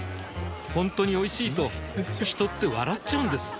ほんとにおいしいと人って笑っちゃうんです